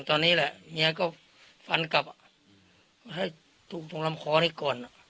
ตอนนี้แหละเมียก็ฟันกลับให้ถูกตรงลำคอนี้ก่อน